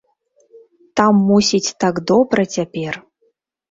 Там, мусіць, так добра цяпер!